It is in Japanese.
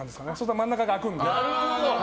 真ん中が空くので。